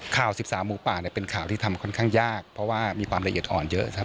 ข่าว๑๓หมูป่าเนี่ยเป็นข่าวที่ทำค่อนข้างยากเพราะว่ามีความละเอียดอ่อนเยอะครับ